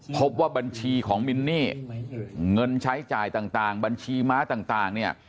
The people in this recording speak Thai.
พบว่าบัญชีของมินนี่เงินใช้จ่ายต่างบัญชีม้าต่างเนี่ย